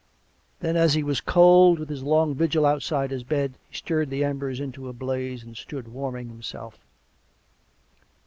Then, as he was cold with his long vigil outside his bed, he stirred the embers into a blaze and stood warming himself.